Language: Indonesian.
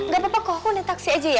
gapapa kok aku naik taksi aja ya